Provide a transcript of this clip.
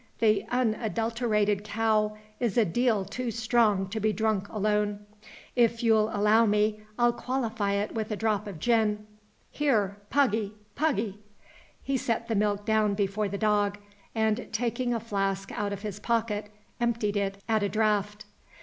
The unadulterated cow is a deal too strong to be drunk alone. If you'll allow me I'll qualify it with a drop of gin. Here, Puggy, Puggy!" He set the milk down before the dog; and, taking a flask out of his pocket, emptied it at a draught.